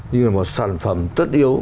như là một sản phẩm tất yếu